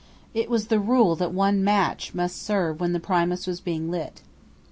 It was the rule that one match must serve when the Primus was being lit.